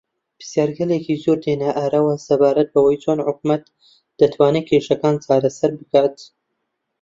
پرسیارگەلێکی زۆر دێنە ئاراوە سەبارەت بەوەی چۆن حکوومەت دەتوانێت کێشەکان چارەسەر بکات